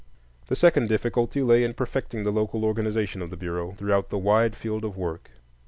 The second difficulty lay in perfecting the local organization of the Bureau throughout the wide field of work.